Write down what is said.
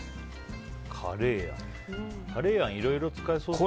カレーあんいろいろ使えそうですね。